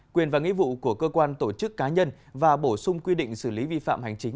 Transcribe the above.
quyền và nghĩa vụ của cơ quan tổ chức cá nhân và bổ sung quy định xử lý vi phạm hành chính